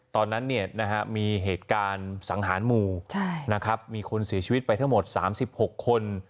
ตอนนั้นมีเหตุการณ์สังหารหมู่มีคนเสียชีวิตไปทั้งหมด๓๖คน